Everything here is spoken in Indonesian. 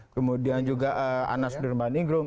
kemudian juga anas nurman ingrum